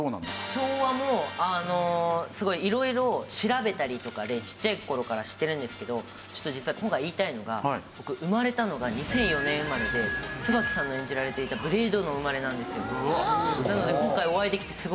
昭和もすごい色々調べたりとかでちっちゃい頃から知ってるんですけどちょっと実は今回言いたいのが僕生まれたのが２００４年生まれで椿さんの演じられていたブレイドの生まれなんですよ。